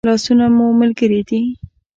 لاسونه مو ملګري دي